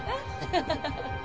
ハハハ。